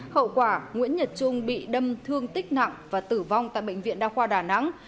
hậu quả nguyễn nhật trung bị đâm thương tích nặng và tử vong tại bệnh viện đa khoa đà nẵng